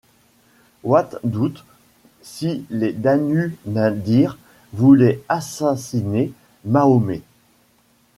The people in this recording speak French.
Watt doute si les Banu Nadir voulaient assassiner Mahomet.